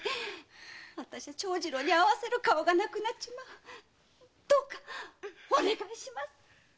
長次郎に合わせる顔がなくなるどうかお願いします！